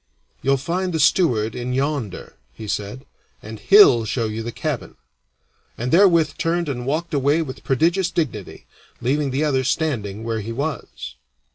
"You'll find the steward in yonder," he said, "and he'll show you the cabin," and therewith turned and walked away with prodigious dignity, leaving the other standing where he was.